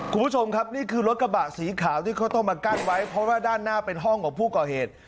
คุณผู้ชมครับนี่คือรถกระบะสีขาวที่เขาต้องมากั้นไว้เพราะว่าด้านหน้าเป็นห้องของผู้ก่อเหตุ